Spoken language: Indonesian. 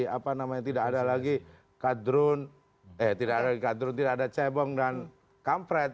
apa namanya tidak ada lagi kadrun eh tidak ada kadrun tidak ada cebong dan kampret